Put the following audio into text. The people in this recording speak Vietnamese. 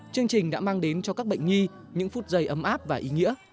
chương trình đã mang đến cho các bệnh nhi những phút giây ấm áp và ý nghĩa